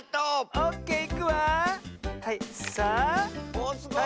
おっすごい。